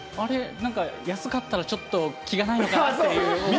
なんか安かったらちょっと気がないのかなみたいな。